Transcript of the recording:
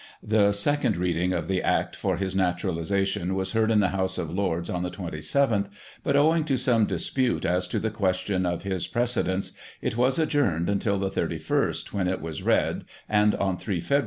The second reading of the Act for his naturalization was heard in the House of Lords on the 27th, but owing to some dispute as to the question of his pre cedence, it was adjourned until the 31st, when it was read, and on 3 Feb.